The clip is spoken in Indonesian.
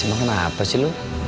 emang kenapa sih lu